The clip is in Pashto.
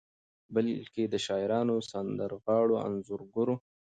بلکې د شاعرانو، سندرغاړو، انځورګرو